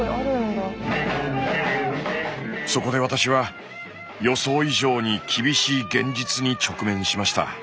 そこで私は予想以上に厳しい現実に直面しました。